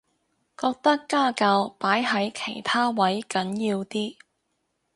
覺得家教擺喺其他位緊要啲